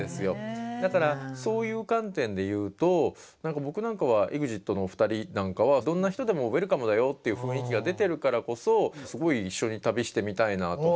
だからそういう観点で言うと僕なんかはＥＸＩＴのお二人なんかはどんな人でもウエルカムだよっていう雰囲気が出てるからこそすごい一緒に旅してみたいなと思うし。